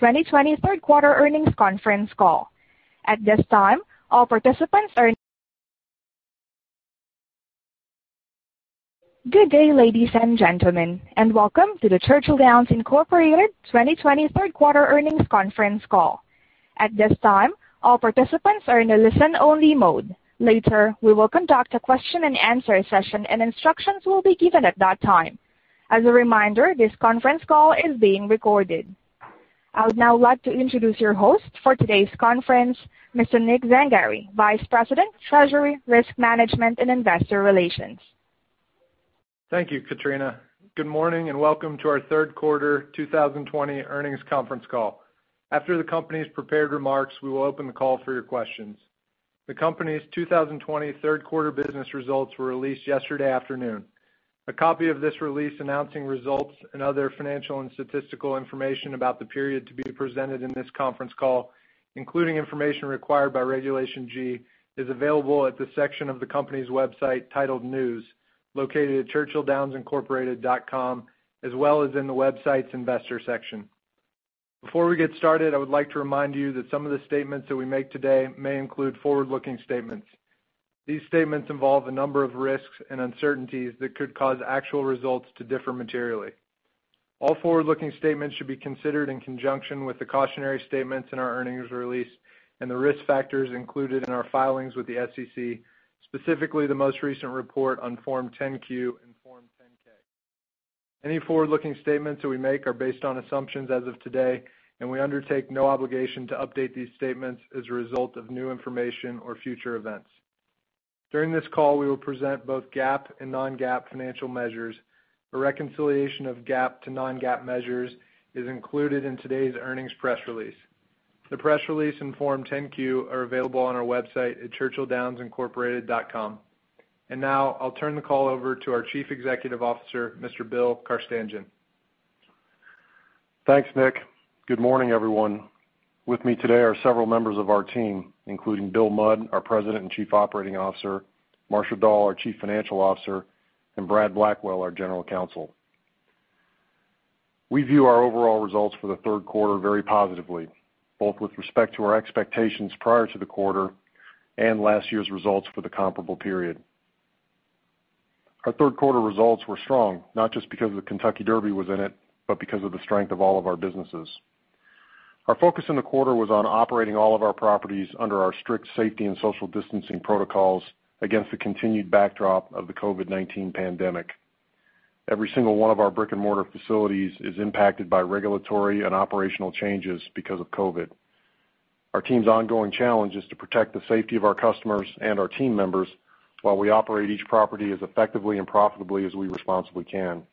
2020 third quarter earnings conference call. Good day, ladies and gentlemen, and welcome to the Churchill Downs Incorporated 2020 third quarter earnings conference call. At this time, all participants are in a listen-only mode. Later, we will conduct a question-and-answer session, and instructions will be given at that time. As a reminder, this conference call is being recorded. I would now like to introduce your host for today's conference, Mr. Nick Zangari, Vice President, Treasury, Risk Management, and Investor Relations. Thank you, Katrina. Good morning, and welcome to our third quarter 2020 earnings conference call. After the company's prepared remarks, we will open the call for your questions. The company's 2020 third quarter business results were released yesterday afternoon. A copy of this release announcing results and other financial and statistical information about the period to be presented in this conference call, including information required by Regulation G, is available at the section of the company's website titled News, located at churchilldownsincorporated.com, as well as in the website's investor section. Before we get started, I would like to remind you that some of the statements that we make today may include forward-looking statements. These statements involve a number of risks and uncertainties that could cause actual results to differ materially. All forward-looking statements should be considered in conjunction with the cautionary statements in our earnings release and the risk factors included in our filings with the SEC, specifically the most recent report on Form 10-Q and Form 10-K. Any forward-looking statements that we make are based on assumptions as of today, and we undertake no obligation to update these statements as a result of new information or future events. During this call, we will present both GAAP and non-GAAP financial measures. A reconciliation of GAAP to non-GAAP measures is included in today's earnings press release. The press release and Form 10-Q are available on our website at churchilldownsincorporated.com. And now, I'll turn the call over to our Chief Executive Officer, Mr. Bill Carstanjen. Thanks, Nick. Good morning, everyone. With me today are several members of our team, including Bill Mudd, our President and Chief Operating Officer, Marcia Dall, our Chief Financial Officer, and Brad Blackwell, our General Counsel. We view our overall results for the third quarter very positively, both with respect to our expectations prior to the quarter and last year's results for the comparable period. Our third quarter results were strong, not just because the Kentucky Derby was in it, but because of the strength of all of our businesses. Our focus in the quarter was on operating all of our properties under our strict safety and social distancing protocols against the continued backdrop of the COVID-19 pandemic. Every single one of our brick-and-mortar facilities is impacted by regulatory and operational changes because of COVID. Our team's ongoing challenge is to protect the safety of our customers and our team members while we operate each property as effectively and profitably as we responsibly can.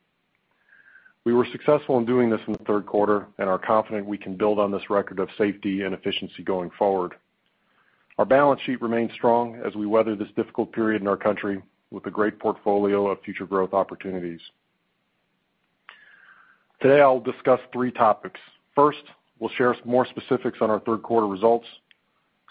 We were successful in doing this in the third quarter and are confident we can build on this record of safety and efficiency going forward. Our balance sheet remains strong as we weather this difficult period in our country with a great portfolio of future growth opportunities. Today, I'll discuss three topics. First, we'll share more specifics on our third quarter results.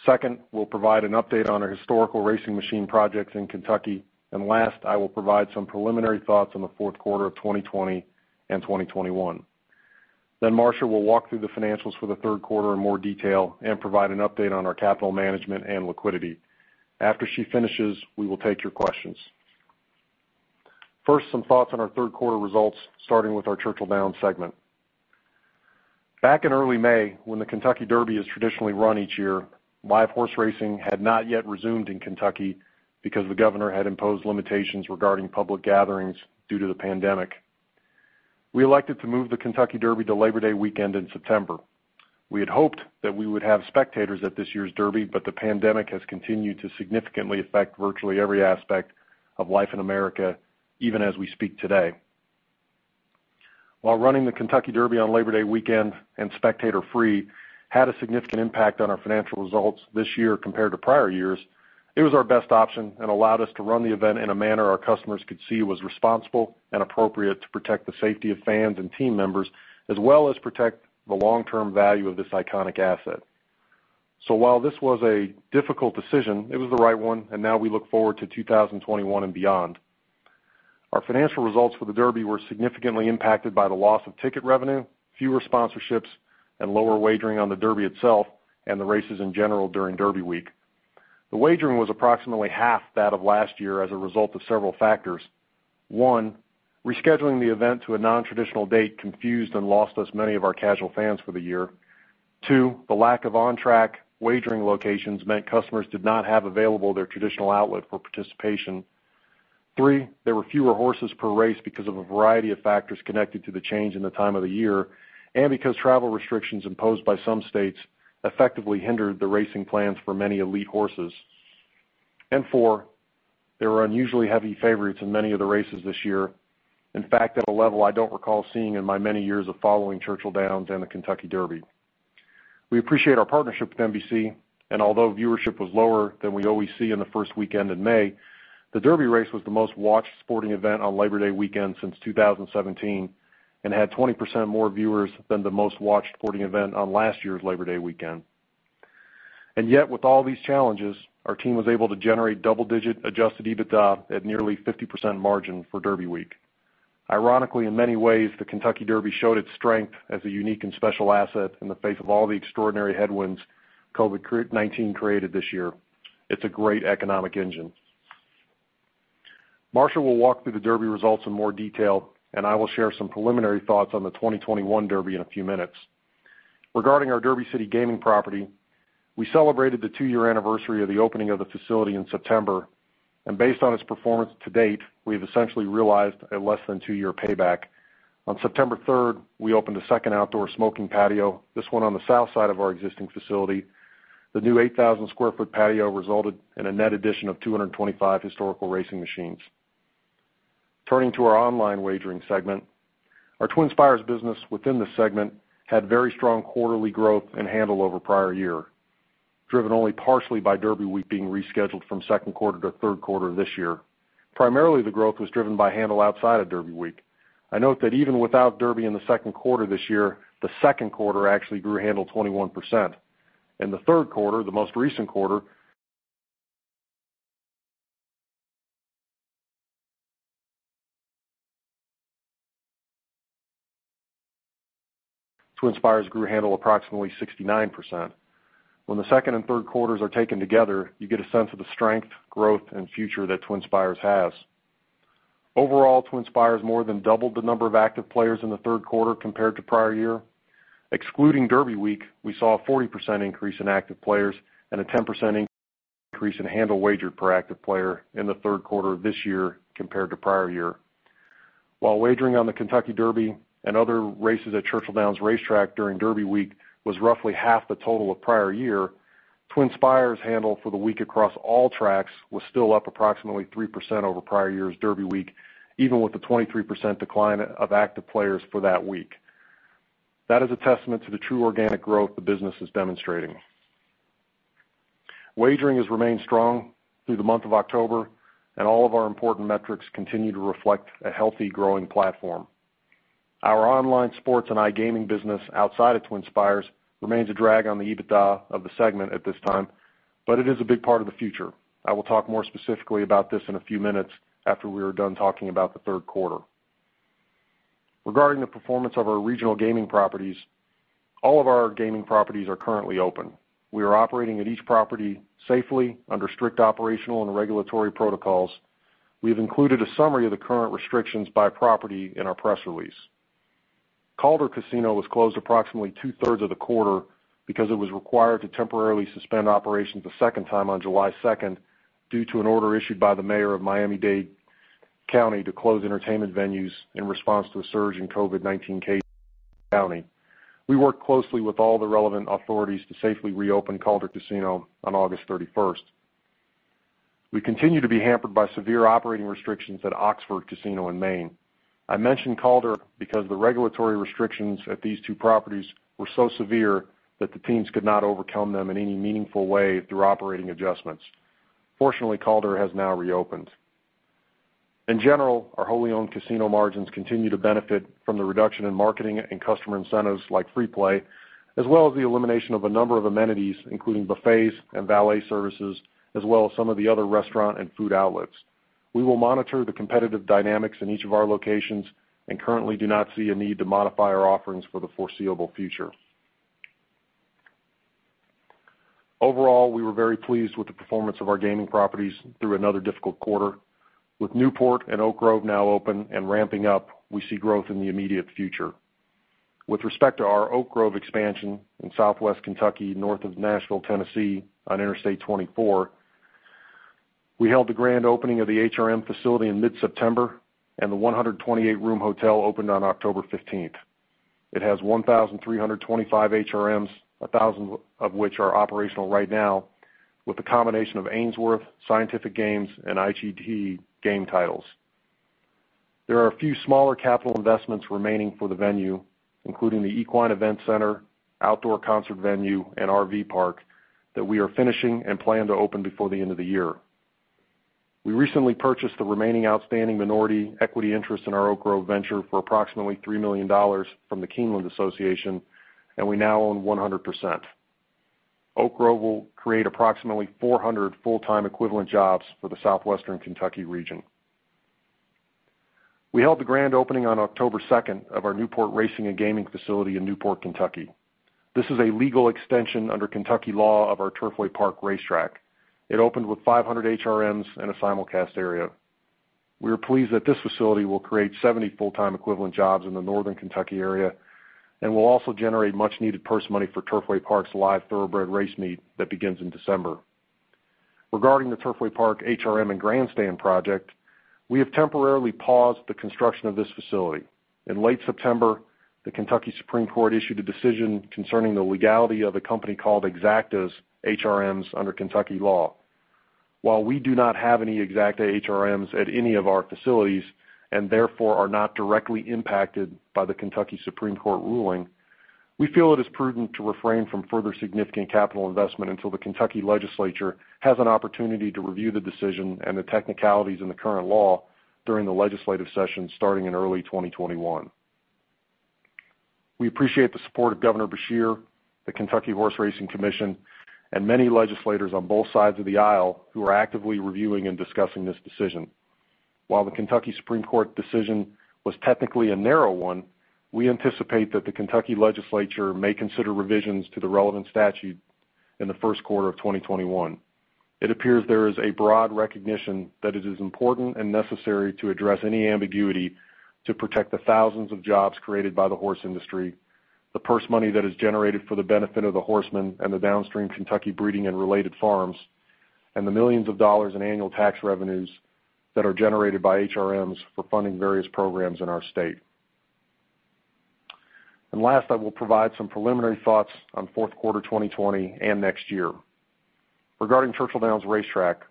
Second, we'll provide an update on our historical racing machine projects in Kentucky. And last, I will provide some preliminary thoughts on the fourth quarter of 2020 and 2021. Then Marcia will walk through the financials for the third quarter in more detail and provide an update on our capital management and liquidity. After she finishes, we will take your questions. First, some thoughts on our third quarter results, starting with our Churchill Downs segment. Back in early May, when the Kentucky Derby is traditionally run each year, live horse racing had not yet resumed in Kentucky because the governor had imposed limitations regarding public gatherings due to the pandemic. We elected to move the Kentucky Derby to Labor Day weekend in September. We had hoped that we would have spectators at this year's Derby, but the pandemic has continued to significantly affect virtually every aspect of life in America, even as we speak today. While running the Kentucky Derby on Labor Day weekend and spectator-free had a significant impact on our financial results this year compared to prior years, it was our best option and allowed us to run the event in a manner our customers could see was responsible and appropriate to protect the safety of fans and team members, as well as protect the long-term value of this iconic asset. So while this was a difficult decision, it was the right one, and now we look forward to 2021 and beyond. Our financial results for the Derby were significantly impacted by the loss of ticket revenue, fewer sponsorships, and lower wagering on the Derby itself and the races in general during Derby week. The wagering was approximately half that of last year as a result of several factors. 1, rescheduling the event to a non-traditional date confused and lost us many of our casual fans for the year. 2, the lack of on-track wagering locations meant customers did not have available their traditional outlet for participation. 3, there were fewer horses per race because of a variety of factors connected to the change in the time of the year, and because travel restrictions imposed by some states effectively hindered the racing plans for many elite horses. And 4, there were unusually heavy favorites in many of the races this year. In fact, at a level I don't recall seeing in my many years of following Churchill Downs and the Kentucky Derby. We appreciate our partnership with NBC, and although viewership was lower than we always see in the first weekend in May, the Derby race was the most-watched sporting event on Labor Day weekend since 2017, and had 20% more viewers than the most-watched sporting event on last year's Labor Day weekend. And yet, with all these challenges, our team was able to generate double-digit Adjusted EBITDA at nearly 50% margin for Derby week. Ironically, in many ways, the Kentucky Derby showed its strength as a unique and special asset in the face of all the extraordinary headwinds COVID-19 created this year. It's a great economic engine. Marcia will walk through the Derby results in more detail, and I will share some preliminary thoughts on the 2021 Derby in a few minutes. Regarding our Derby City Gaming property, we celebrated the 2-year anniversary of the opening of the facility in September, and based on its performance to date, we've essentially realized a less than 2-year payback. On September third, we opened a second outdoor smoking patio, this one on the south side of our existing facility. The new 8,000 sq ft patio resulted in a net addition of 225 historical racing machines. Turning to our online wagering segment, our TwinSpires business within this segment had very strong quarterly growth in handle over prior year, driven only partially by Derby week being rescheduled from second quarter to third quarter this year. Primarily, the growth was driven by handle outside of Derby week. I note that even without Derby in the second quarter this year, the second quarter actually grew handle 21%. In the third quarter, the most recent quarter, TwinSpires grew handle approximately 69%. When the second and third quarters are taken together, you get a sense of the strength, growth, and future that TwinSpires has. Overall, TwinSpires more than doubled the number of active players in the third quarter compared to prior year. Excluding Derby week, we saw a 40% increase in active players and a 10% increase in handle wager per active player in the third quarter of this year compared to prior year. While wagering on the Kentucky Derby and other races at Churchill Downs Racetrack during Derby week was roughly half the total of prior year, TwinSpires handle for the week across all tracks was still up approximately 3% over prior year's Derby week, even with the 23% decline of active players for that week. That is a testament to the true organic growth the business is demonstrating. Wagering has remained strong through the month of October, and all of our important metrics continue to reflect a healthy, growing platform. Our online sports and iGaming business outside of TwinSpires remains a drag on the EBITDA of the segment at this time, but it is a big part of the future. I will talk more specifically about this in a few minutes after we are done talking about the third quarter. Regarding the performance of our regional gaming properties, all of our gaming properties are currently open. We are operating at each property safely under strict operational and regulatory protocols. We've included a summary of the current restrictions by property in our press release. Calder Casino was closed approximately two-thirds of the quarter because it was required to temporarily suspend operations a second time on July second, due to an order issued by the mayor of Miami-Dade County to close entertainment venues in response to a surge in COVID-19 cases in the county. We worked closely with all the relevant authorities to safely reopen Calder Casino on August thirty-first. We continue to be hampered by severe operating restrictions at Oxford Casino in Maine. I mention Calder because the regulatory restrictions at these two properties were so severe that the teams could not overcome them in any meaningful way through operating adjustments. Fortunately, Calder has now reopened. In general, our wholly owned casino margins continue to benefit from the reduction in marketing and customer incentives like free play, as well as the elimination of a number of amenities, including buffets and valet services, as well as some of the other restaurant and food outlets. We will monitor the competitive dynamics in each of our locations and currently do not see a need to modify our offerings for the foreseeable future. Overall, we were very pleased with the performance of our gaming properties through another difficult quarter. With Newport and Oak Grove now open and ramping up, we see growth in the immediate future. With respect to our Oak Grove expansion in southwestern Kentucky, north of Nashville, Tennessee, on Interstate 24, we held the grand opening of the HRM facility in mid-September, and the 128-room hotel opened on October 15th. It has 1,325 HRMs, 1,000 of which are operational right now, with a combination of Ainsworth, Scientific Games, and IGT game titles. There are a few smaller capital investments remaining for the venue, including the Equine Event Center, outdoor concert venue, and RV park that we are finishing and plan to open before the end of the year. We recently purchased the remaining outstanding minority equity interest in our Oak Grove venture for approximately $3 million from the Keeneland Association, and we now own 100%. Oak Grove will create approximately 400 full-time equivalent jobs for the Southwestern Kentucky region. We held the grand opening on October 2 of our Newport Racing and Gaming facility in Newport, Kentucky. This is a legal extension under Kentucky law of our Turfway Park racetrack. It opened with 500 HRMs and a simulcast area. We are pleased that this facility will create 70 full-time equivalent jobs in the Northern Kentucky area and will also generate much-needed purse money for Turfway Park's live thoroughbred race meet that begins in December. Regarding the Turfway Park HRM and grandstand project, we have temporarily paused the construction of this facility. In late September, the Kentucky Supreme Court issued a decision concerning the legality of a company called Exacta's HRMs under Kentucky law. While we do not have any Exacta HRMs at any of our facilities, and therefore are not directly impacted by the Kentucky Supreme Court ruling, we feel it is prudent to refrain from further significant capital investment until the Kentucky legislature has an opportunity to review the decision and the technicalities in the current law during the legislative session starting in early 2021. We appreciate the support of Governor Beshear, the Kentucky Horse Racing Commission, and many legislators on both sides of the aisle who are actively reviewing and discussing this decision. While the Kentucky Supreme Court decision was technically a narrow one, we anticipate that the Kentucky legislature may consider revisions to the relevant statute in the first quarter of 2021. It appears there is a broad recognition that it is important and necessary to address any ambiguity to protect the thousands of jobs created by the horse industry, the purse money that is generated for the benefit of the horsemen and the downstream Kentucky breeding and related farms, and the $millions in annual tax revenues that are generated by HRMs for funding various programs in our state. And last, I will provide some preliminary thoughts on fourth quarter 2020 and next year. Regarding Churchill Downs Racetrack,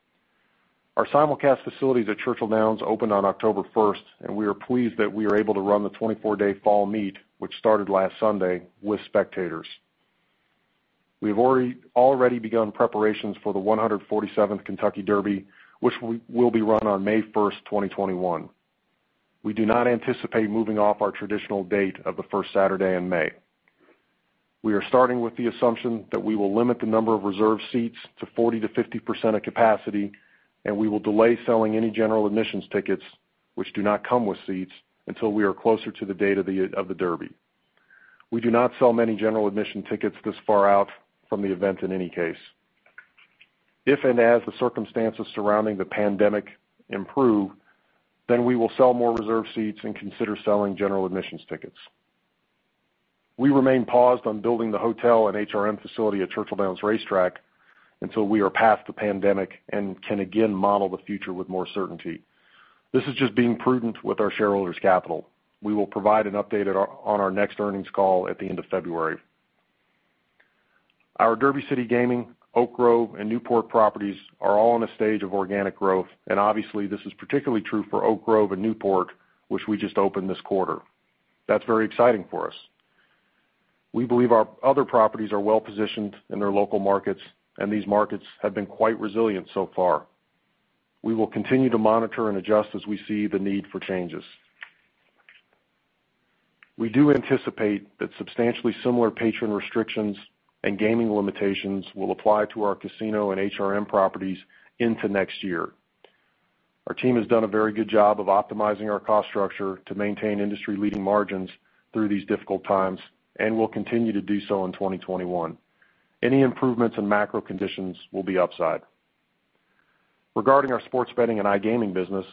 our simulcast facilities at Churchill Downs opened on October 1, and we are pleased that we are able to run the 24-day fall meet, which started last Sunday, with spectators. We've already begun preparations for the 147th Kentucky Derby, which will be run on May 1, 2021. We do not anticipate moving off our traditional date of the first Saturday in May. We are starting with the assumption that we will limit the number of reserved seats to 40%-50% of capacity, and we will delay selling any general admissions tickets, which do not come with seats, until we are closer to the date of the Derby. We do not sell many general admission tickets this far out from the event in any case. If and as the circumstances surrounding the pandemic improve, then we will sell more reserved seats and consider selling general admissions tickets. We remain paused on building the hotel and HRM facility at Churchill Downs Racetrack until we are past the pandemic and can again model the future with more certainty. This is just being prudent with our shareholders' capital. We will provide an update on our next earnings call at the end of February. Our Derby City Gaming, Oak Grove, and Newport properties are all in a stage of organic growth, and obviously, this is particularly true for Oak Grove and Newport, which we just opened this quarter. That's very exciting for us. We believe our other properties are well positioned in their local markets, and these markets have been quite resilient so far. We will continue to monitor and adjust as we see the need for changes. We do anticipate that substantially similar patron restrictions and gaming limitations will apply to our casino and HRM properties into next year. Our team has done a very good job of optimizing our cost structure to maintain industry-leading margins through these difficult times and will continue to do so in 2021. Any improvements in macro conditions will be upside. Regarding our sports betting and iGaming business,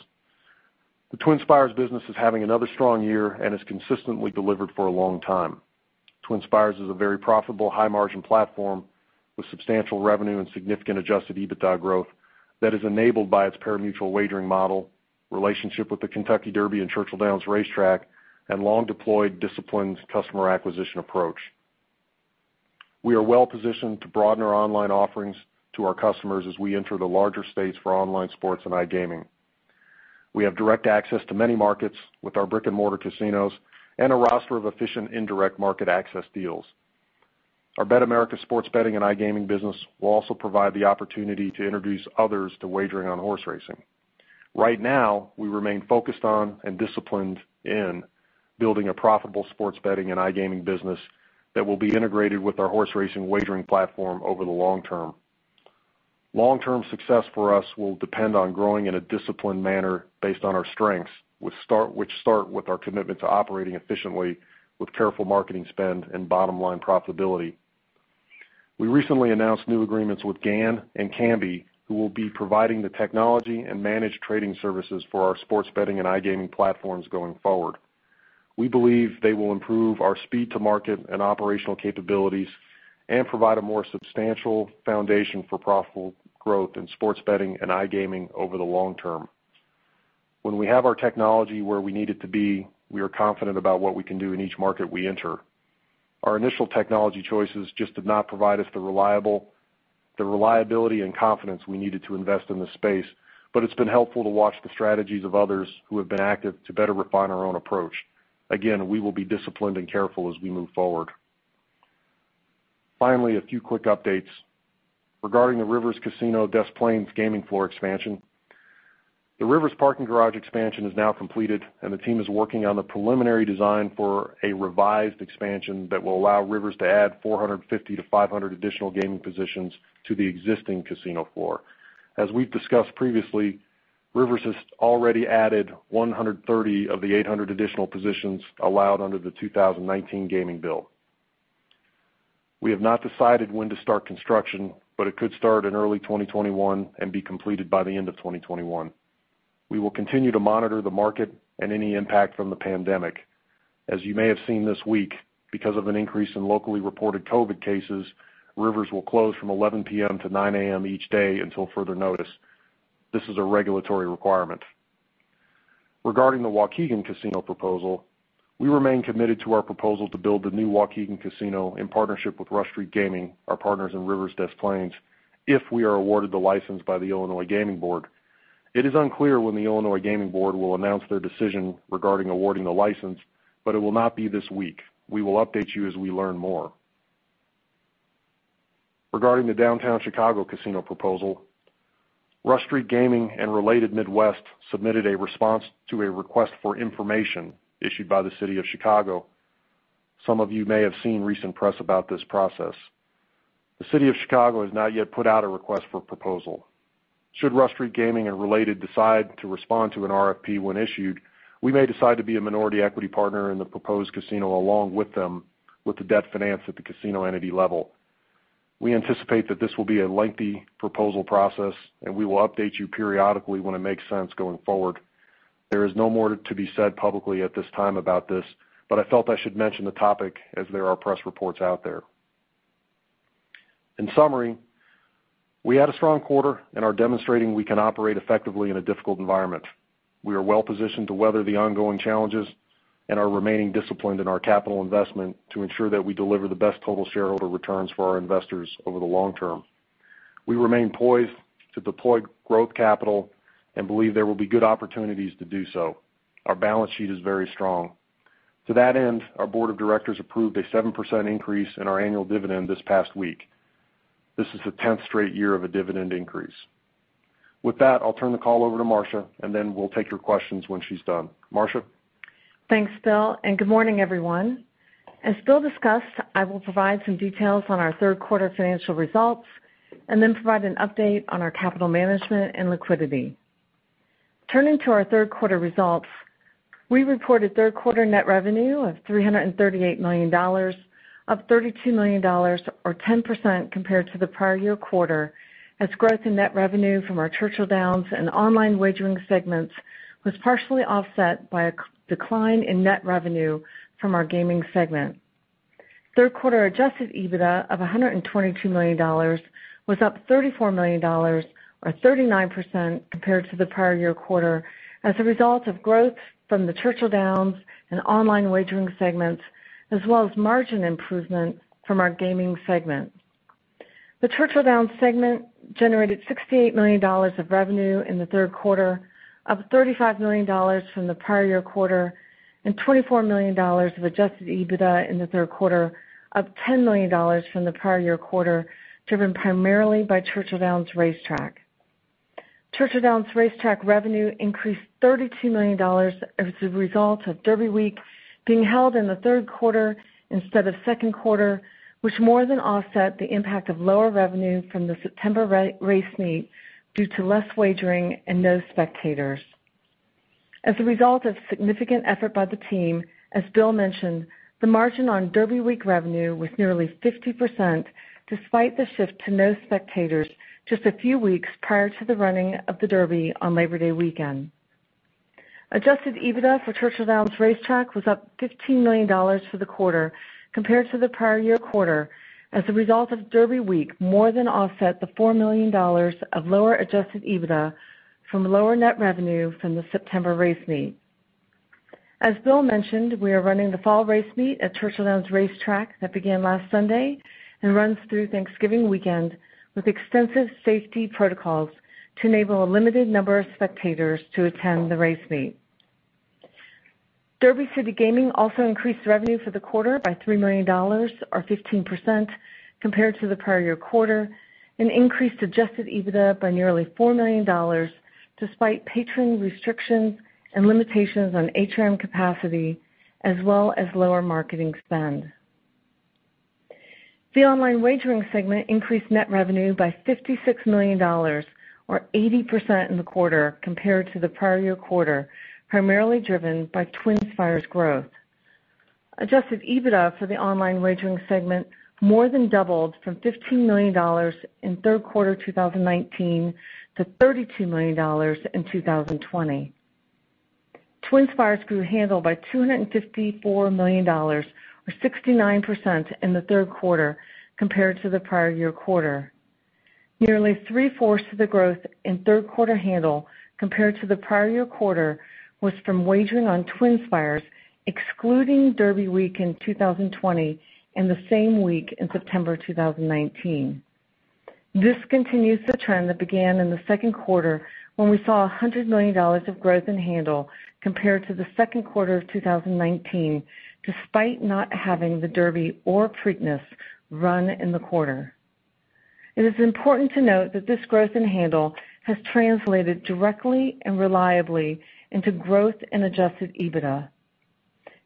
the TwinSpires business is having another strong year and has consistently delivered for a long time. TwinSpires is a very profitable, high-margin platform with substantial revenue and significant Adjusted EBITDA growth that is enabled by its pari-mutuel wagering model, relationship with the Kentucky Derby and Churchill Downs Racetrack, and long-deployed, disciplined customer acquisition approach. We are well positioned to broaden our online offerings to our customers as we enter the larger states for online sports and iGaming. We have direct access to many markets with our brick-and-mortar casinos and a roster of efficient indirect market access deals. Our BetAmerica sports betting and iGaming business will also provide the opportunity to introduce others to wagering on horse racing. Right now, we remain focused on and disciplined in building a profitable sports betting and iGaming business that will be integrated with our horse racing wagering platform over the long term. Long-term success for us will depend on growing in a disciplined manner based on our strengths, which start with our commitment to operating efficiently with careful marketing spend and bottom-line profitability. We recently announced new agreements with GAN and Kambi, who will be providing the technology and managed trading services for our sports betting and iGaming platforms going forward. We believe they will improve our speed to market and operational capabilities and provide a more substantial foundation for profitable growth in sports betting and iGaming over the long term. When we have our technology where we need it to be, we are confident about what we can do in each market we enter. Our initial technology choices just did not provide us the reliability and confidence we needed to invest in this space, but it's been helpful to watch the strategies of others who have been active to better refine our own approach. Again, we will be disciplined and careful as we move forward. Finally, a few quick updates. Regarding the Rivers Casino Des Plaines gaming floor expansion, the Rivers parking garage expansion is now completed, and the team is working on the preliminary design for a revised expansion that will allow Rivers to add 450-500 additional gaming positions to the existing casino floor. As we've discussed previously, Rivers has already added 130 of the 800 additional positions allowed under the 2019 gaming bill. We have not decided when to start construction, but it could start in early 2021 and be completed by the end of 2021. We will continue to monitor the market and any impact from the pandemic. As you may have seen this week, because of an increase in locally reported COVID cases, Rivers will close from 11:00 P.M. to 9:00 A.M. each day until further notice. This is a regulatory requirement. Regarding the Waukegan casino proposal, we remain committed to our proposal to build the new Waukegan casino in partnership with Rush Street Gaming, our partners in Rivers Des Plaines, if we are awarded the license by the Illinois Gaming Board. It is unclear when the Illinois Gaming Board will announce their decision regarding awarding the license, but it will not be this week. We will update you as we learn more.... Regarding the downtown Chicago casino proposal, Rush Street Gaming and Related Midwest submitted a response to a request for information issued by the city of Chicago. Some of you may have seen recent press about this process. The city of Chicago has not yet put out a request for proposal. Should Rush Street Gaming and Related decide to respond to an RFP when issued, we may decide to be a minority equity partner in the proposed casino, along with them, with the debt finance at the casino entity level. We anticipate that this will be a lengthy proposal process, and we will update you periodically when it makes sense going forward. There is no more to be said publicly at this time about this, but I felt I should mention the topic as there are press reports out there. In summary, we had a strong quarter and are demonstrating we can operate effectively in a difficult environment. We are well-positioned to weather the ongoing challenges and are remaining disciplined in our capital investment to ensure that we deliver the best total shareholder returns for our investors over the long term. We remain poised to deploy growth capital and believe there will be good opportunities to do so. Our balance sheet is very strong. To that end, our board of directors approved a 7% increase in our annual dividend this past week. This is the 10th straight year of a dividend increase. With that, I'll turn the call over to Marcia, and then we'll take your questions when she's done. Marcia? Thanks, Bill, and good morning, everyone. As Bill discussed, I will provide some details on our third quarter financial results, and then provide an update on our capital management and liquidity. Turning to our third quarter results, we reported third quarter net revenue of $338 million, up $32 million or 10% compared to the prior year quarter, as growth in net revenue from our Churchill Downs and online wagering segments was partially offset by a decline in net revenue from our gaming segment. Third quarter adjusted EBITDA of $122 million was up $34 million, or 39% compared to the prior year quarter, as a result of growth from the Churchill Downs and online wagering segments, as well as margin improvement from our gaming segment. The Churchill Downs segment generated $68 million of revenue in the third quarter, up $35 million from the prior year quarter, and $24 million of Adjusted EBITDA in the third quarter, up $10 million from the prior year quarter, driven primarily by Churchill Downs Racetrack. Churchill Downs Racetrack revenue increased $32 million as a result of Derby Week being held in the third quarter instead of second quarter, which more than offset the impact of lower revenue from the September race meet due to less wagering and no spectators. As a result of significant effort by the team, as Bill mentioned, the margin on Derby Week revenue was nearly 50%, despite the shift to no spectators just a few weeks prior to the running of the Derby on Labor Day weekend. Adjusted EBITDA for Churchill Downs Racetrack was up $15 million for the quarter compared to the prior year quarter, as the result of Derby Week more than offset the $4 million of lower adjusted EBITDA from lower net revenue from the September race meet. As Bill mentioned, we are running the fall race meet at Churchill Downs Racetrack that began last Sunday and runs through Thanksgiving weekend, with extensive safety protocols to enable a limited number of spectators to attend the race meet. Derby City Gaming also increased revenue for the quarter by $3 million, or 15% compared to the prior year quarter, and increased adjusted EBITDA by nearly $4 million, despite patron restrictions and limitations on HRM capacity, as well as lower marketing spend. The online wagering segment increased net revenue by $56 million or 80% in the quarter compared to the prior year quarter, primarily driven by TwinSpires growth. Adjusted EBITDA for the online wagering segment more than doubled from $15 million in third quarter 2019 to $32 million in 2020. TwinSpires grew handle by $254 million, or 69% in the third quarter compared to the prior year quarter. Nearly 3/4 of the growth in third quarter handle compared to the prior year quarter was from wagering on TwinSpires, excluding Derby Week in 2020 and the same week in September 2019. This continues the trend that began in the second quarter, when we saw $100 million of growth in handle compared to the second quarter of 2019, despite not having the Derby or Preakness run in the quarter. It is important to note that this growth in handle has translated directly and reliably into growth in adjusted EBITDA.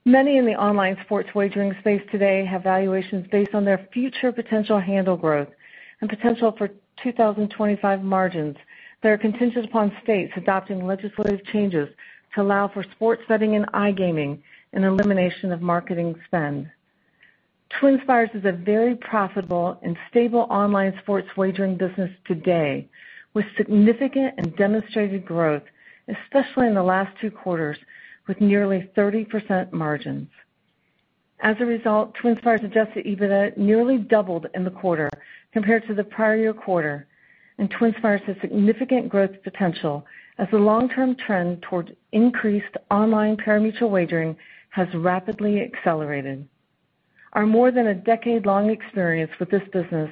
Many in the online sports wagering space today have valuations based on their future potential handle growth and potential for 2025 margins that are contingent upon states adopting legislative changes to allow for sports betting and iGaming and elimination of marketing spend. TwinSpires is a very profitable and stable online sports wagering business today, with significant and demonstrated growth, especially in the last two quarters, with nearly 30% margins. As a result, TwinSpires' adjusted EBITDA nearly doubled in the quarter compared to the prior year quarter, and TwinSpires has significant growth potential as the long-term trend towards increased online parimutuel wagering has rapidly accelerated. Our more than a decade-long experience with this business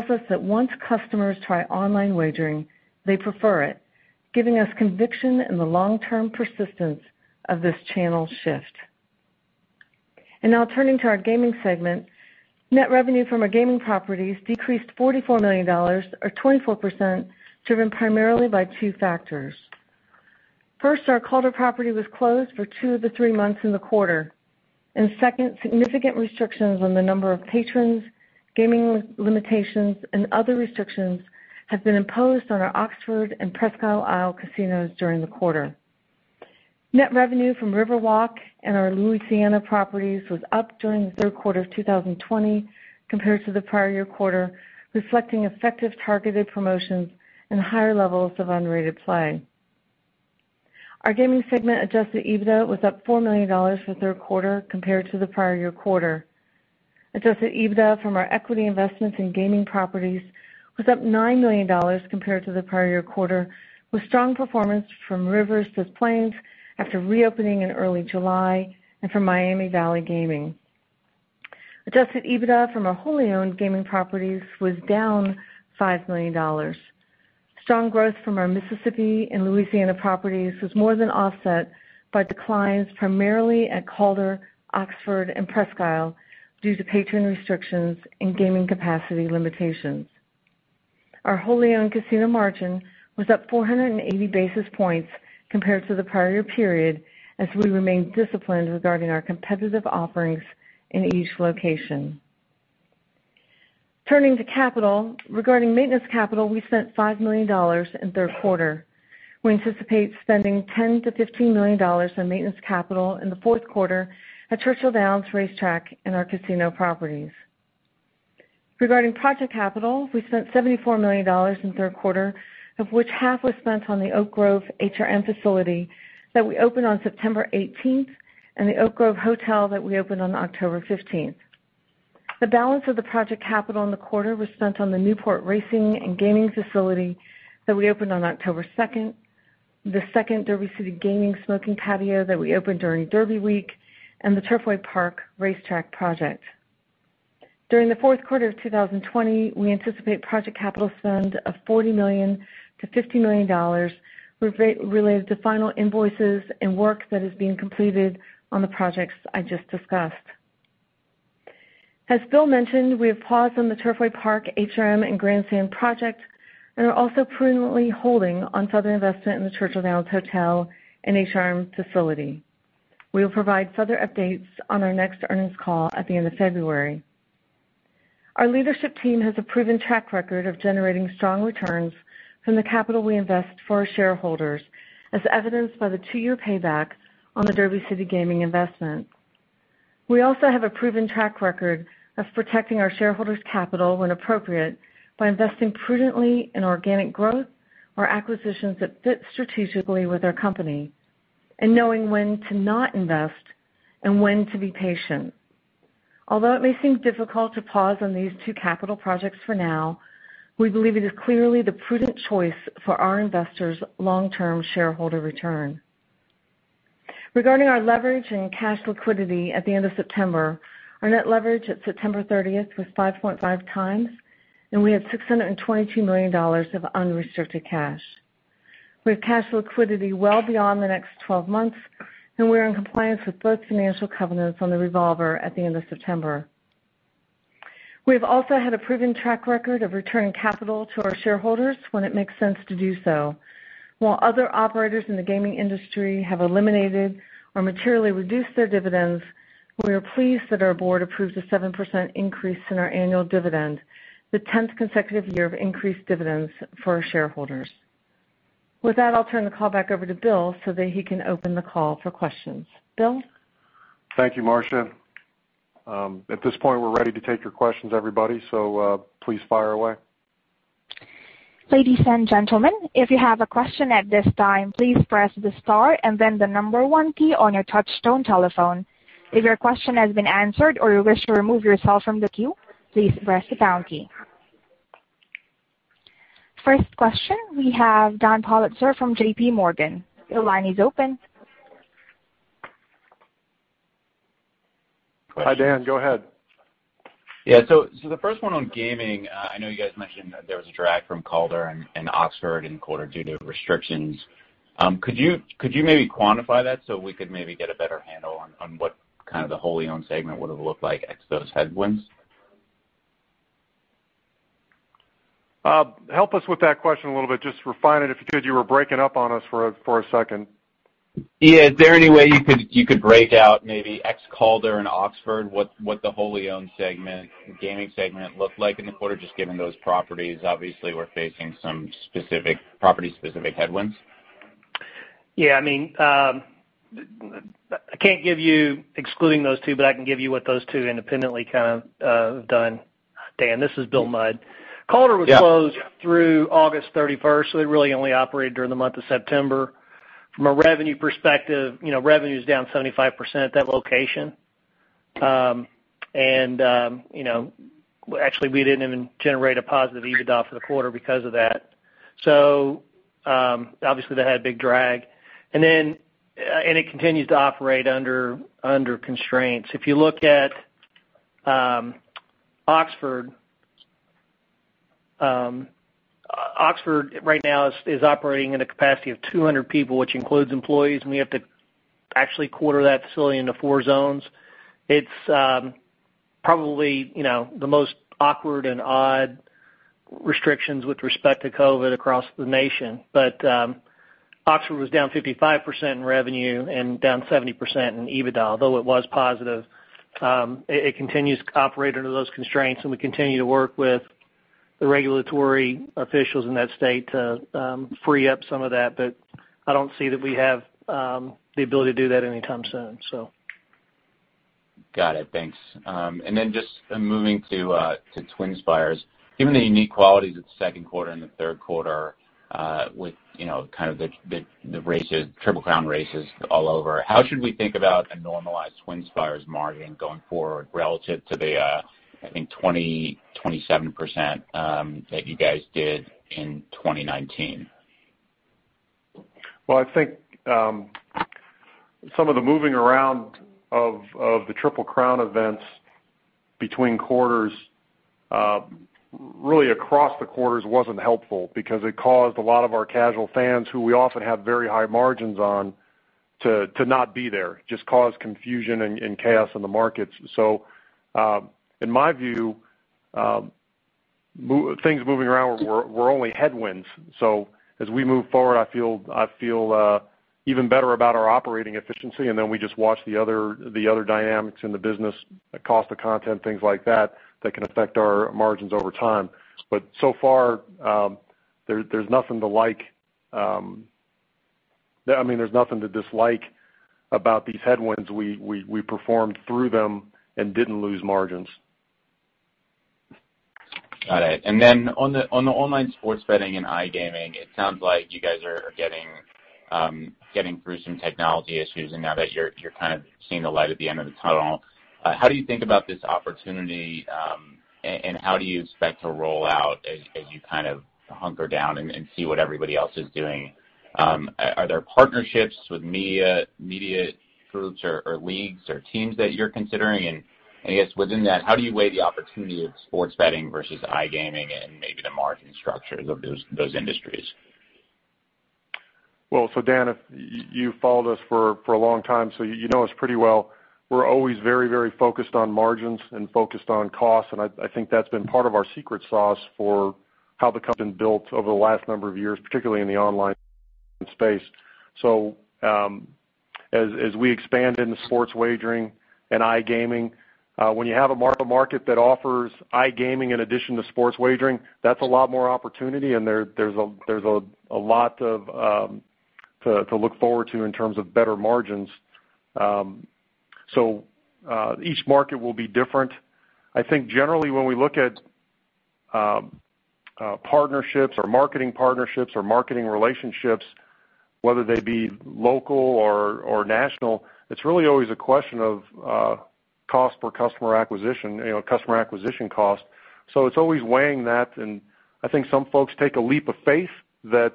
tells us that once customers try online wagering, they prefer it, giving us conviction in the long-term persistence of this channel shift.... Now turning to our gaming segment. Net revenue from our gaming properties decreased $44 million or 24%, driven primarily by two factors. First, our Calder property was closed for two of the three months in the quarter, and second, significant restrictions on the number of patrons, gaming limitations, and other restrictions have been imposed on our Oxford and Presque Isle casinos during the quarter. Net revenue from Riverwalk and our Louisiana properties was up during the third quarter of 2020 compared to the prior year quarter, reflecting effective targeted promotions and higher levels of unrated play. Our gaming segment Adjusted EBITDA was up $4 million for the third quarter compared to the prior year quarter. Adjusted EBITDA from our equity investments in gaming properties was up $9 million compared to the prior year quarter, with strong performance from Rivers Des Plaines after reopening in early July and from Miami Valley Gaming. Adjusted EBITDA from our wholly owned gaming properties was down $5 million. Strong growth from our Mississippi and Louisiana properties was more than offset by declines primarily at Calder, Oxford, and Presque Isle due to patron restrictions and gaming capacity limitations. Our wholly owned casino margin was up 480 basis points compared to the prior year period, as we remained disciplined regarding our competitive offerings in each location. Turning to capital. Regarding maintenance capital, we spent $5 million in third quarter. We anticipate spending $10-$15 million in maintenance capital in the fourth quarter at Churchill Downs Racetrack and our casino properties. Regarding project capital, we spent $74 million in the third quarter, of which half was spent on the Oak Grove HRM facility that we opened on September 18, and the Oak Grove Hotel that we opened on October 15. The balance of the project capital in the quarter was spent on the Newport Racing and Gaming facility that we opened on October 2, the second Derby City Gaming smoking patio that we opened during Derby Week, and the Turfway Park Racetrack project. During the fourth quarter of 2020, we anticipate project capital spend of $40 million-$50 million, related to final invoices and work that is being completed on the projects I just discussed. As Bill mentioned, we have paused on the Turfway Park, HRM, and Grandstand project, and are also prudently holding on further investment in the Churchill Downs Hotel and HRM facility. We will provide further updates on our next earnings call at the end of February. Our leadership team has a proven track record of generating strong returns from the capital we invest for our shareholders, as evidenced by the 2-year payback on the Derby City Gaming investment. We also have a proven track record of protecting our shareholders' capital when appropriate, by investing prudently in organic growth or acquisitions that fit strategically with our company and knowing when to not invest and when to be patient. Although it may seem difficult to pause on these two capital projects for now, we believe it is clearly the prudent choice for our investors' long-term shareholder return. Regarding our leverage and cash liquidity at the end of September, our net leverage at September 30 was 5.5 times, and we had $622 million of unrestricted cash. We have cash liquidity well beyond the next 12 months, and we're in compliance with both financial covenants on the revolver at the end of September. We've also had a proven track record of returning capital to our shareholders when it makes sense to do so. While other operators in the gaming industry have eliminated or materially reduced their dividends, we are pleased that our board approved a 7% increase in our annual dividend, the 10th consecutive year of increased dividends for our shareholders. With that, I'll turn the call back over to William so that he can open the call for questions. William? Thank you, Marcia. At this point, we're ready to take your questions, everybody, so, please fire away. Ladies and gentlemen, if you have a question at this time, please press the star and then the number one key on your touchtone telephone. If your question has been answered or you wish to remove yourself from the queue, please press the pound key. First question, we have Daniel Politzer from J.P. Morgan. Your line is open. Hi, Dan. Go ahead. Yeah, so the first one on gaming, I know you guys mentioned that there was a drag from Calder and Oxford in the quarter due to restrictions. Could you maybe quantify that so we could maybe get a better handle on what kind of the wholly owned segment would have looked like ex those headwinds? Help us with that question a little bit. Just refine it, if you could. You were breaking up on us for a second. Yeah. Is there any way you could break out maybe ex-Calder and Oxford, what the wholly owned segment, the gaming segment looked like in the quarter, just given those properties? Obviously, we're facing some specific property-specific headwinds. Yeah, I mean, I can't give you excluding those two, but I can give you what those two independently kind of have done. Dan, this is Bill Mudd. Yeah. Calder was closed through August 31st, so it really only operated during the month of September. From a revenue perspective, you know, revenue is down 75% at that location. And, you know, actually, we didn't even generate a positive EBITDA for the quarter because of that. So, obviously, that had a big drag. And then, and it continues to operate under, under constraints. If you look at, Oxford-... Oxford right now is, is operating at a capacity of 200 people, which includes employees, and we have to actually quarter that facility into 4 zones. It's, probably, you know, the most awkward and odd restrictions with respect to COVID across the nation. But, Oxford was down 55% in revenue and down 70% in EBITDA, although it was positive. It continues to operate under those constraints, and we continue to work with the regulatory officials in that state to free up some of that. But I don't see that we have the ability to do that anytime soon, so. Got it. Thanks. And then just moving to TwinSpires. Given the unique qualities of the second quarter and the third quarter, with, you know, kind of the races, Triple Crown races all over, how should we think about a normalized TwinSpires margin going forward relative to the, I think 27%, that you guys did in 2019? Well, I think some of the moving around of the Triple Crown events between quarters really across the quarters wasn't helpful because it caused a lot of our casual fans, who we often have very high margins on, to not be there. Just caused confusion and chaos in the markets. So, in my view, things moving around were only headwinds. So as we move forward, I feel even better about our operating efficiency, and then we just watch the other dynamics in the business, the cost of content, things like that, that can affect our margins over time. But so far, there's nothing to like... I mean, there's nothing to dislike about these headwinds. We performed through them and didn't lose margins. Got it. And then on the online sports betting and iGaming, it sounds like you guys are getting through some technology issues, and now that you're seeing the light at the end of the tunnel. How do you think about this opportunity, and how do you expect to roll out as you kind of hunker down and see what everybody else is doing? Are there partnerships with media groups or leagues or teams that you're considering? And I guess within that, how do you weigh the opportunity of sports betting versus iGaming and maybe the margin structures of those industries? Well, so Daniel, if you, you've followed us for a long time, so you know us pretty well. We're always very, very focused on margins and focused on costs, and I think that's been part of our secret sauce for how the company built over the last number of years, particularly in the online space. As we expand into sports wagering and iGaming, when you have a market that offers iGaming in addition to sports wagering, that's a lot more opportunity, and there's a lot to look forward to in terms of better margins. Each market will be different. I think generally when we look at partnerships or marketing partnerships or marketing relationships, whether they be local or, or national, it's really always a question of cost per customer acquisition, you know, customer acquisition cost. So it's always weighing that, and I think some folks take a leap of faith that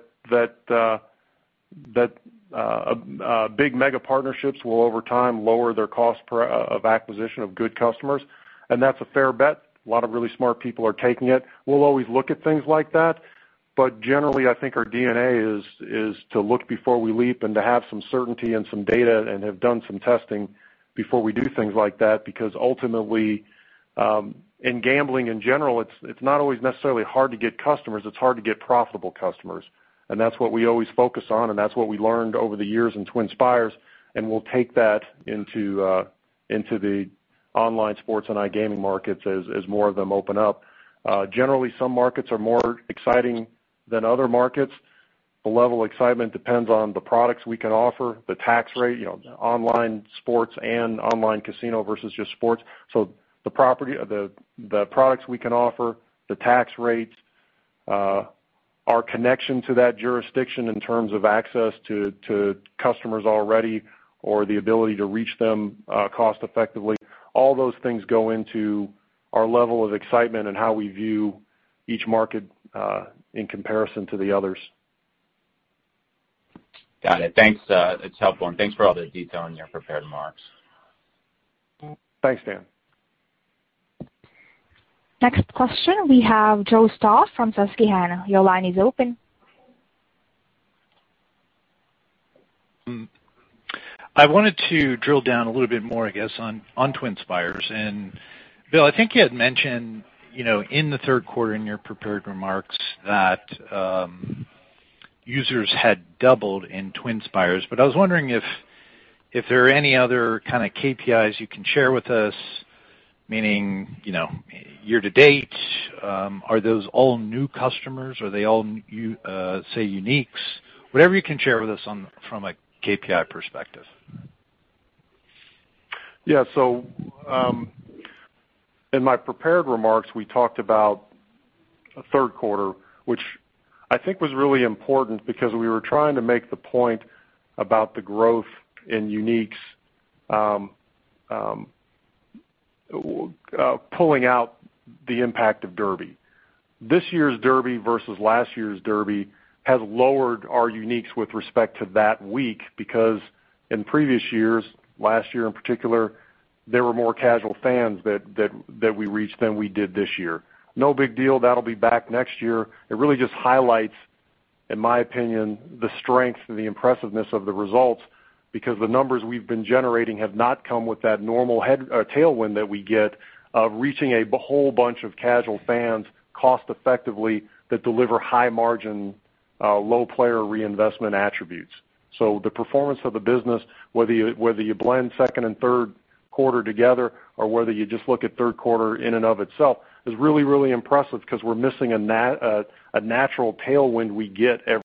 big mega partnerships will, over time, lower their cost per acquisition of good customers, and that's a fair bet. A lot of really smart people are taking it. We'll always look at things like that, but generally, I think our DNA is to look before we leap and to have some certainty and some data and have done some testing before we do things like that, because ultimately, in gambling in general, it's not always necessarily hard to get customers, it's hard to get profitable customers. And that's what we always focus on, and that's what we learned over the years in TwinSpires, and we'll take that into the online sports and iGaming markets as more of them open up. Generally, some markets are more exciting than other markets. The level of excitement depends on the products we can offer, the tax rate, you know, online sports and online casino versus just sports. So the property, the products we can offer, the tax rates, our connection to that jurisdiction in terms of access to customers already, or the ability to reach them cost effectively, all those things go into our level of excitement and how we view each market in comparison to the others. Got it. Thanks, it's helpful, and thanks for all the detail in your prepared remarks. Thanks, Daniel. Next question, we have Joseph Stauff from Susquehanna. Your line is open. I wanted to drill down a little bit more, I guess, on TwinSpires. And Bill, I think you had mentioned, you know, in the third quarter in your prepared remarks that users had doubled in TwinSpires. But I was wondering if there are any other kind of KPIs you can share with us, meaning, you know, year to date, are those all new customers? Are they all, say, uniques? Whatever you can share with us on... from a KPI perspective. Yeah. So, in my prepared remarks, we talked about a third quarter, which I think was really important because we were trying to make the point about the growth in uniques, pulling out the impact of Derby. This year's Derby versus last year's Derby has lowered our uniques with respect to that week, because in previous years, last year in particular, there were more casual fans that we reached than we did this year. No big deal, that'll be back next year. It really just highlights, in my opinion, the strength and the impressiveness of the results, because the numbers we've been generating have not come with that normal head- or tailwind that we get of reaching a whole bunch of casual fans cost effectively, that deliver high margin, low player reinvestment attributes. So the performance of the business, whether you blend second and third quarter together, or whether you just look at third quarter in and of itself, is really, really impressive because we're missing a natural tailwind we get every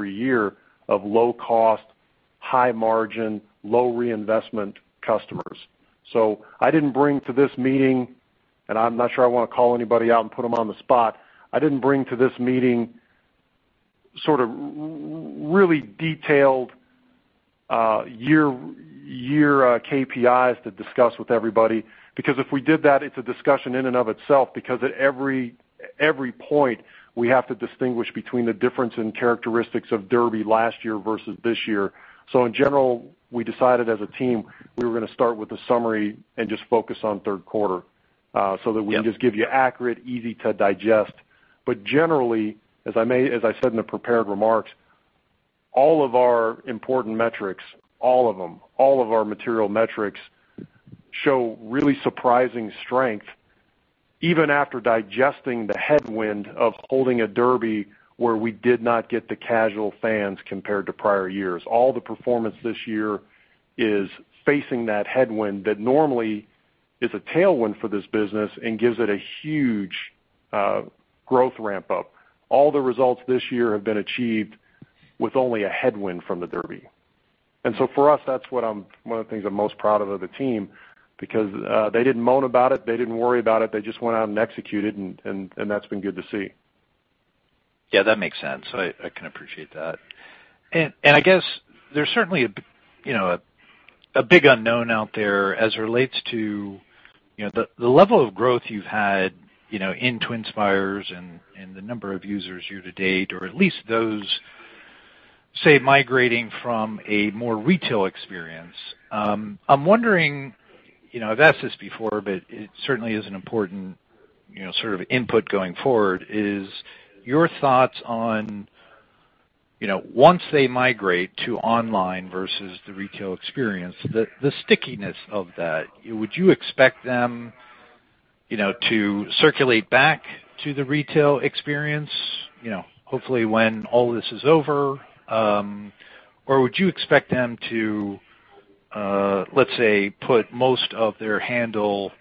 year of low cost, high margin, low reinvestment customers. So I didn't bring to this meeting, and I'm not sure I want to call anybody out and put them on the spot. I didn't bring to this meeting sort of really detailed year KPIs to discuss with everybody, because if we did that, it's a discussion in and of itself, because at every point, we have to distinguish between the difference in characteristics of Derby last year versus this year. So in general, we decided as a team, we were going to start with a summary and just focus on third quarter. Yep. so that we can just give you accurate, easy to digest. But generally, as I said in the prepared remarks, all of our important metrics, all of them, all of our material metrics show really surprising strength, even after digesting the headwind of holding a Derby where we did not get the casual fans compared to prior years. All the performance this year is facing that headwind that normally is a tailwind for this business and gives it a huge, growth ramp up. All the results this year have been achieved with only a headwind from the Derby. And so for us, that's what I'm one of the things I'm most proud of the team, because, they didn't moan about it, they didn't worry about it. They just went out and executed, and that's been good to see. Yeah, that makes sense. I can appreciate that. And I guess there's certainly you know, a big unknown out there as it relates to, you know, the level of growth you've had, you know, in TwinSpires and the number of users year to date, or at least those, say, migrating from a more retail experience. I'm wondering, you know, I've asked this before, but it certainly is an important, you know, sort of input going forward, is your thoughts on, you know, once they migrate to online versus the retail experience, the stickiness of that, would you expect them, you know, to circulate back to the retail experience? You know, hopefully, when all this is over, or would you expect them to, let's say, put most of their handle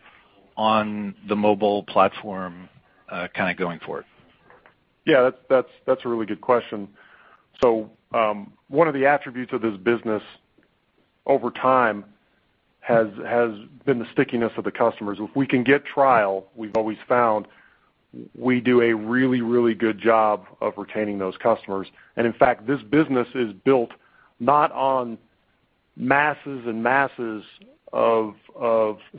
on the mobile platform, kind of going forward? Yeah, that's a really good question. So, one of the attributes of this business over time has been the stickiness of the customers. If we can get trial, we've always found we do a really, really good job of retaining those customers. And in fact, this business is built not on masses and masses of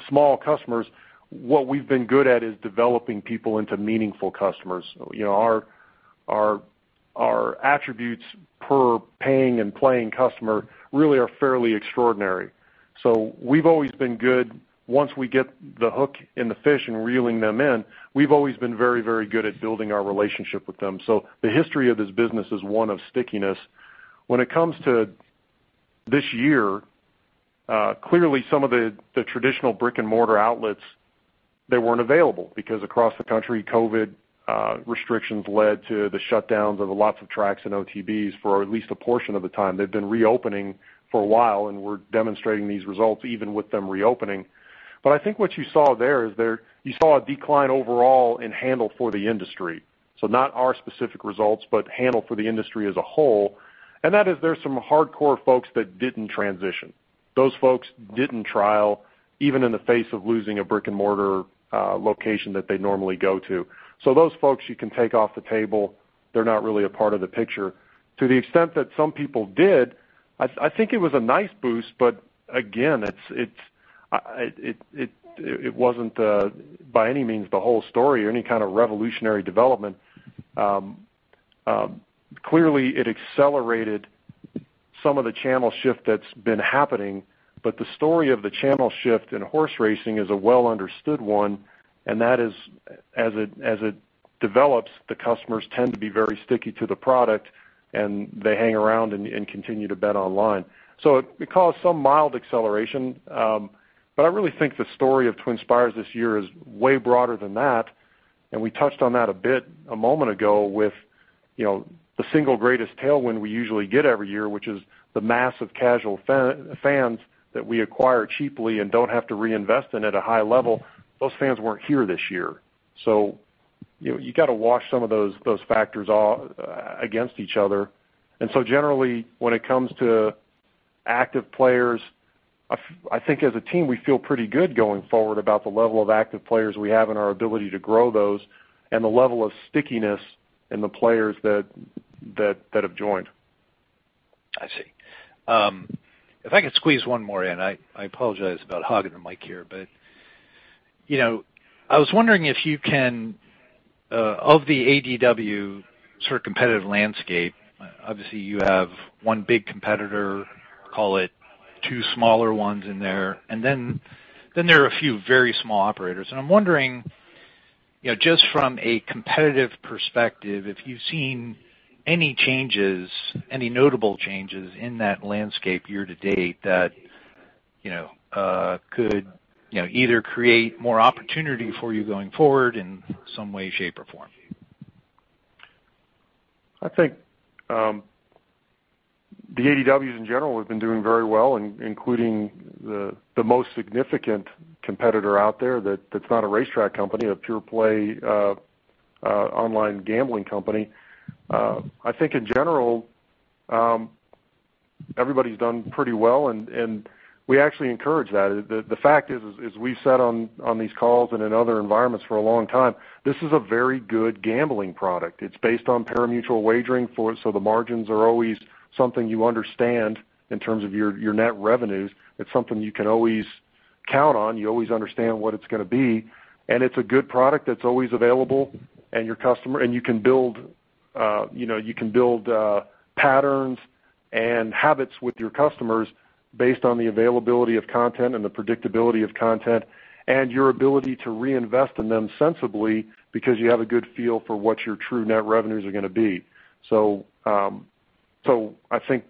small customers. What we've been good at is developing people into meaningful customers. You know, our attributes per paying and playing customer really are fairly extraordinary. So we've always been good, once we get the hook in the fish and reeling them in, we've always been very, very good at building our relationship with them. So the history of this business is one of stickiness. When it comes to this year, clearly, some of the traditional brick-and-mortar outlets, they weren't available because across the country, COVID restrictions led to the shutdowns of lots of tracks and OTBs for at least a portion of the time. They've been reopening for a while, and we're demonstrating these results even with them reopening. I think what you saw there is you saw a decline overall in handle for the industry. Not our specific results, but handle for the industry as a whole. That is, there's some hardcore folks that didn't transition. Those folks didn't trial, even in the face of losing a brick-and-mortar location that they normally go to. Those folks you can take off the table, they're not really a part of the picture. To the extent that some people did, I think it was a nice boost, but again, it wasn't by any means the whole story or any kind of revolutionary development. Clearly, it accelerated some of the channel shift that's been happening, but the story of the channel shift in horse racing is a well-understood one, and that is, as it develops, the customers tend to be very sticky to the product, and they hang around and continue to bet online. So it caused some mild acceleration, but I really think the story of TwinSpires this year is way broader than that, and we touched on that a bit a moment ago with, you know, the single greatest tailwind we usually get every year, which is the massive casual fans that we acquire cheaply and don't have to reinvest in at a high level. Those fans weren't here this year. So, you know, you got to wash some of those factors off against each other. And so generally, when it comes to active players, I think as a team, we feel pretty good going forward about the level of active players we have and our ability to grow those, and the level of stickiness in the players that have joined. I see. If I could squeeze one more in, I apologize about hogging the mic here, but you know, I was wondering if you can of the ADW sort of competitive landscape, obviously, you have one big competitor, call it two smaller ones in there, and then there are a few very small operators. And I'm wondering, you know, just from a competitive perspective, if you've seen any changes, any notable changes in that landscape year to date that, you know, could, you know, either create more opportunity for you going forward in some way, shape, or form? I think, the ADWs in general have been doing very well, including the most significant competitor out there that's not a racetrack company, a pure play, online gambling company. I think in general, everybody's done pretty well, and we actually encourage that. The fact is, as we've said on these calls and in other environments for a long time, this is a very good gambling product. It's based on pari-mutuel wagering for—so the margins are always something you understand in terms of your net revenues. It's something you can always count on. You always understand what it's gonna be, and it's a good product that's always available, and you can build, you know, patterns and habits with your customers based on the availability of content and the predictability of content, and your ability to reinvest in them sensibly because you have a good feel for what your true net revenues are gonna be. So, I think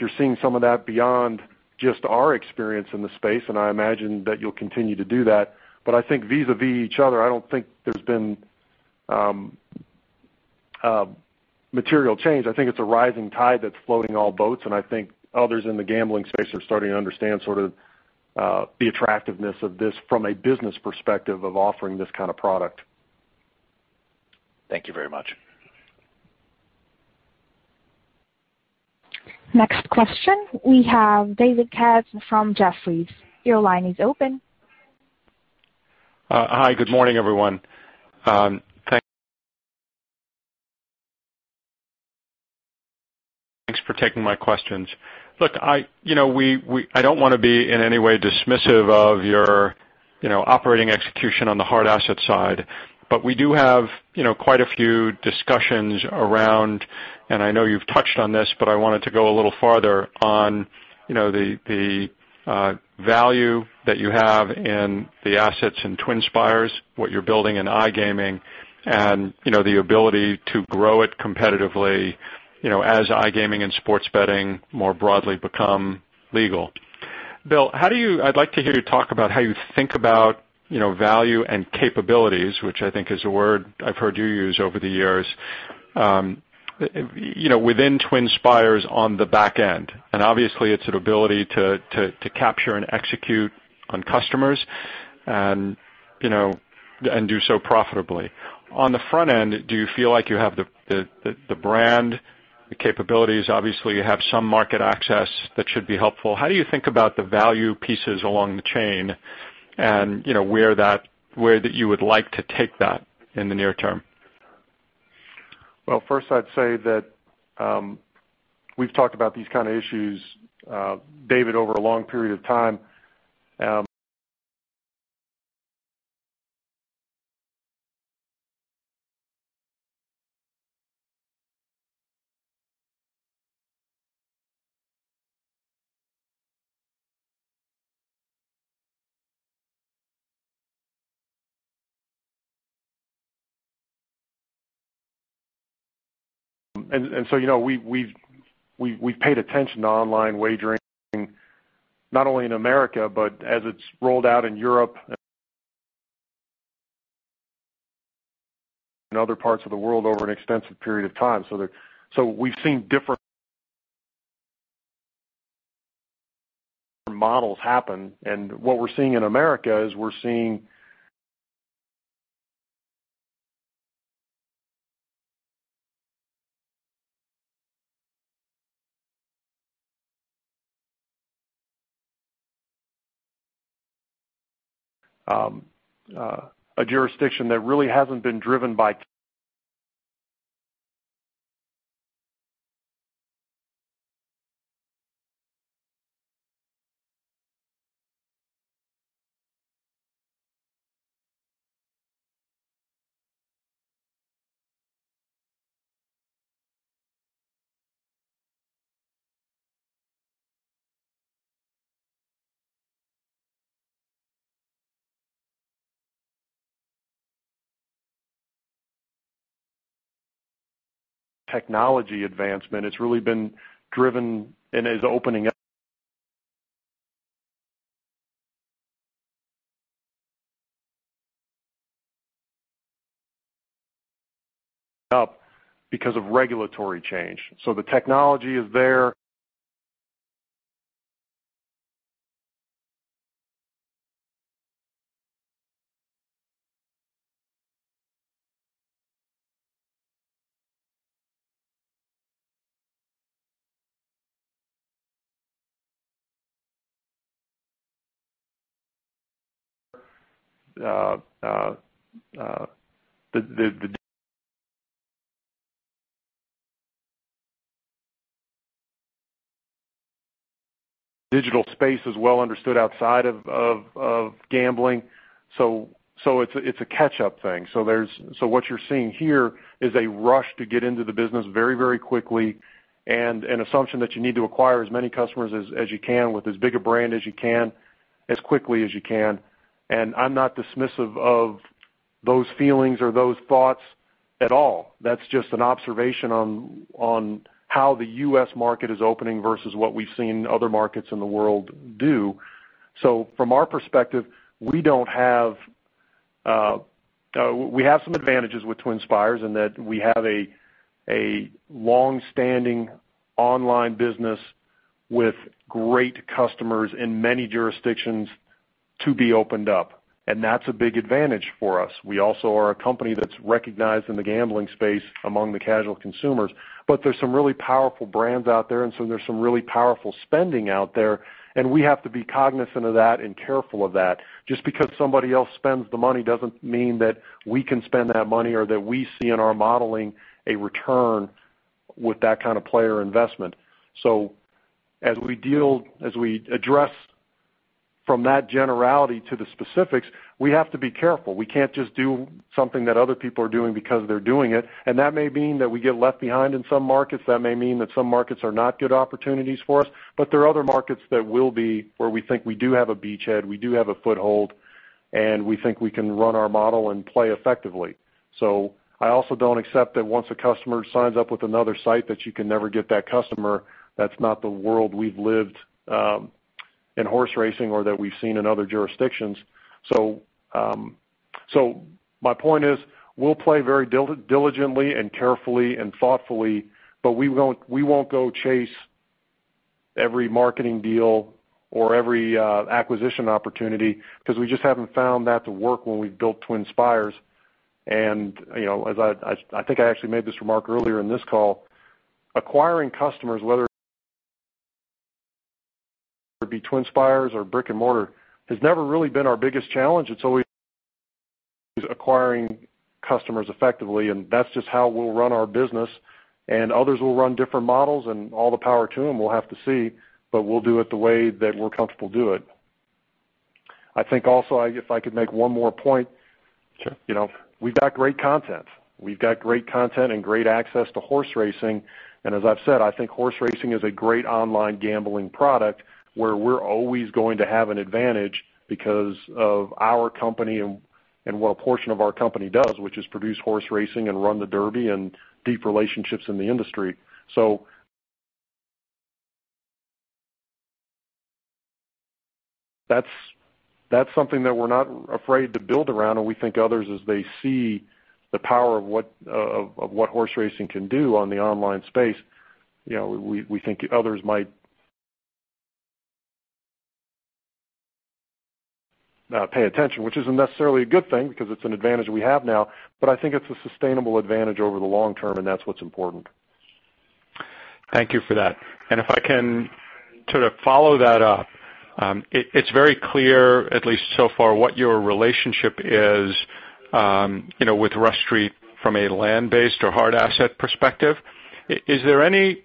you're seeing some of that beyond just our experience in the space, and I imagine that you'll continue to do that. But I think vis-a-vis each other, I don't think there's been a material change. I think it's a rising tide that's floating all boats, and I think others in the gambling space are starting to understand sort of, the attractiveness of this from a business perspective of offering this kind of product. Thank you very much. Next question. We have David Katz from Jefferies. Your line is open. Hi, good morning, everyone. Thanks for taking my questions. Look, I don't want to be in any way dismissive of your, you know, operating execution on the hard asset side, but we do have, you know, quite a few discussions around, and I know you've touched on this, but I wanted to go a little farther on, you know, the value that you have in the assets in TwinSpires, what you're building in iGaming, and, you know, the ability to grow it competitively, you know, as iGaming and sports betting more broadly become legal. William, how do you... I'd like to hear you talk about how you think about, you know, value and capabilities, which I think is a word I've heard you use over the years, you know, within TwinSpires on the back end. Obviously, it's an ability to capture and execute on customers and, you know, and do so profitably. On the front end, do you feel like you have the brand, the capabilities? Obviously, you have some market access that should be helpful. How do you think about the value pieces along the chain and, you know, where that you would like to take that in the near term? Well, first I'd say that we've talked about these kind of issues, David, over a long period of time. And so, you know, we've paid attention to online wagering, not only in America, but as it's rolled out in Europe and other parts of the world over an extensive period of time. So there, so we've seen different models happen, and what we're seeing in America is we're seeing a jurisdiction that really hasn't been driven by technology advancement. It's really been driven and is opening up because of regulatory change. So the technology is there. Uh, uh, uh, the, the, the-... digital space is well understood outside of gambling. So it's a catch-up thing. So what you're seeing here is a rush to get into the business very, very quickly, and an assumption that you need to acquire as many customers as you can, with as big a brand as you can, as quickly as you can. And I'm not dismissive of those feelings or those thoughts at all. That's just an observation on how the U.S. market is opening versus what we've seen other markets in the world do. So from our perspective, we have some advantages with TwinSpires, in that we have a long-standing online business with great customers in many jurisdictions to be opened up, and that's a big advantage for us. We also are a company that's recognized in the gambling space among the casual consumers, but there's some really powerful brands out there, and so there's some really powerful spending out there, and we have to be cognizant of that and careful of that. Just because somebody else spends the money, doesn't mean that we can spend that money or that we see in our modeling a return with that kind of player investment. So as we address from that generality to the specifics, we have to be careful. We can't just do something that other people are doing because they're doing it, and that may mean that we get left behind in some markets. That may mean that some markets are not good opportunities for us, but there are other markets that will be, where we think we do have a beachhead, we do have a foothold, and we think we can run our model and play effectively. So I also don't accept that once a customer signs up with another site, that you can never get that customer. That's not the world we've lived in horse racing or that we've seen in other jurisdictions. So my point is, we'll play very diligently and carefully and thoughtfully, but we won't, we won't go chase every marketing deal or every acquisition opportunity, 'cause we just haven't found that to work when we've built TwinSpires. You know, as I think I actually made this remark earlier in this call, acquiring customers, whether it be TwinSpires or brick-and-mortar, has never really been our biggest challenge. It's always acquiring customers effectively, and that's just how we'll run our business, and others will run different models and all the power to them, we'll have to see, but we'll do it the way that we're comfortable do it. I think also, if I could make one more point. Sure. You know, we've got great content. We've got great content and great access to horse racing, and as I've said, I think horse racing is a great online gambling product, where we're always going to have an advantage because of our company and what a portion of our company does, which is produce horse racing and run the Derby and deep relationships in the industry. So that's something that we're not afraid to build around, and we think others, as they see the power of what horse racing can do on the online space, you know, we think others might pay attention, which isn't necessarily a good thing because it's an advantage we have now, but I think it's a sustainable advantage over the long term, and that's what's important. Thank you for that. And if I can sort of follow that up, it's very clear, at least so far, what your relationship is, you know, with Rush Street from a land-based or hard asset perspective. Is there any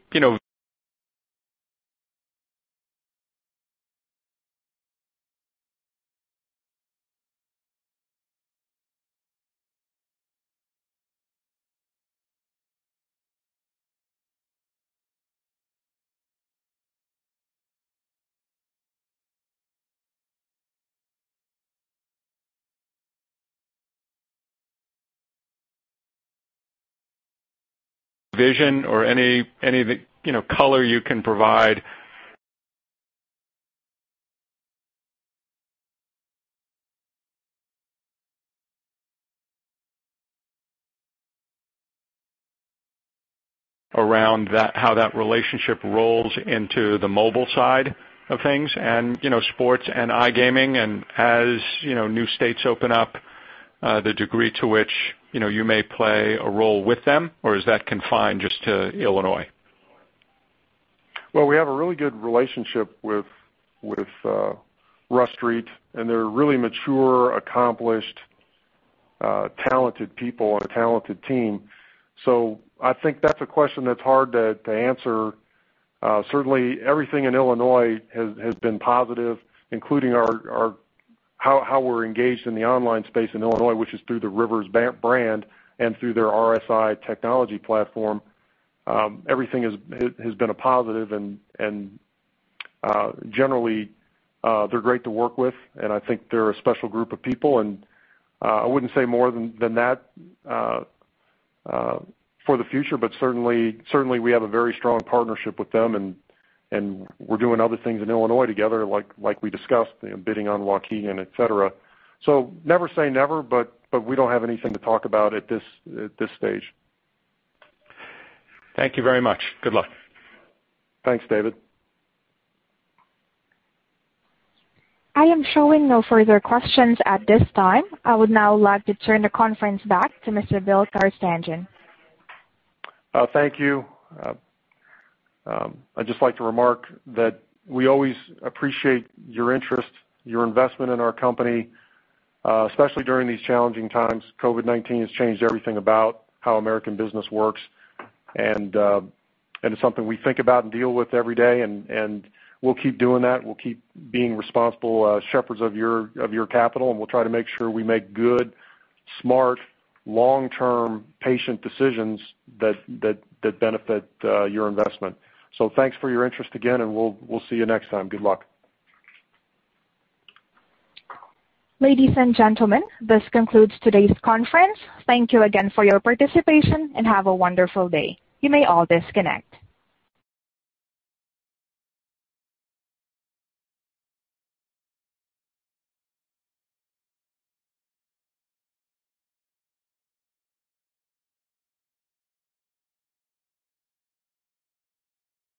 vision or any color you can provide around that, how that relationship rolls into the mobile side of things and, you know, sports and iGaming, and as you know, new states open up, the degree to which, you know, you may play a role with them, or is that confined just to Illinois? Well, we have a really good relationship with Rush Street, and they're really mature, accomplished, talented people and a talented team. So I think that's a question that's hard to answer. Certainly, everything in Illinois has been positive, including how we're engaged in the online space in Illinois, which is through the Rivers brand and through their RSI technology platform. Everything has been a positive and generally, they're great to work with, and I think they're a special group of people, and I wouldn't say more than that for the future. But certainly, we have a very strong partnership with them, and we're doing other things in Illinois together, like we discussed, the bidding on Waukegan, et cetera. So never say never, but we don't have anything to talk about at this stage. Thank you very much. Good luck. Thanks, David. I am showing no further questions at this time. I would now like to turn the conference back to Mr. Bill Carstanjen. Thank you. I'd just like to remark that we always appreciate your interest, your investment in our company, especially during these challenging times. COVID-19 has changed everything about how American business works, and it's something we think about and deal with every day, and we'll keep doing that. We'll keep being responsible shepherds of your capital, and we'll try to make sure we make good, smart, long-term, patient decisions that benefit your investment. So thanks for your interest again, and we'll see you next time. Good luck. Ladies and gentlemen, this concludes today's conference. Thank you again for your participation, and have a wonderful day. You may all disconnect.